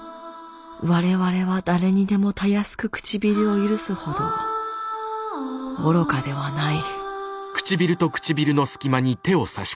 我々は誰にでもたやすく唇を許すほど愚かではない。